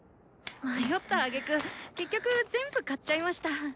迷ったあげく結局全部買っちゃいました！